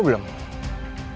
tidak tidak tidak tidak